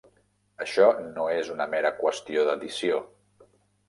Això no és una mera qüestió d'addició.